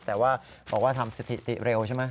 แต่ว่าบอกว่าทำสถิติเร็วใช่ไหม